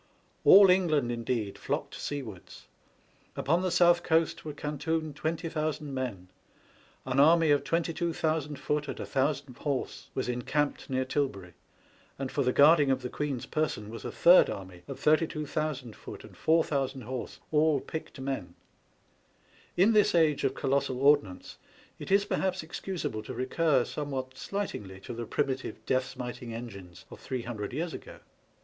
All England indeed flocked seawards. Upon the South Coast were cantoned 20,000 men ; an army of 22,000 foot and 1000 horse was encamped near Tilbury, and for the guarding of the Queen's person was a third army of 82,000 foot and 4000 horse, all picked men. In this age of colossal ordnance, it is perhaps ex cusable to recur somewhat slightingly to the primitive death smiting engines of three hundred years ago.